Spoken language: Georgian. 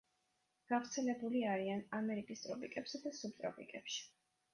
გავრცელებული არიან ამერიკის ტროპიკებსა და სუბტროპიკებში.